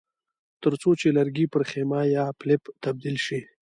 ترڅو چې لرګي پر خمیره یا پلپ تبدیل شي.